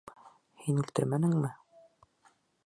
— Һин үлтермәнеңме?